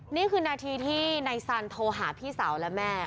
นี่คือนาทีที่นายสันโทรหาพี่สาวและแม่